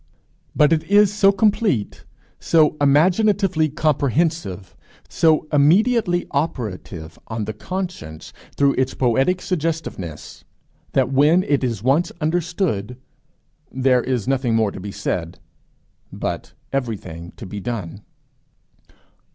But it is so complete, so imaginatively comprehensive, so immediately operative on the conscience through its poetic suggestiveness, that when it is once understood, there is nothing more to be said, but everything to be done.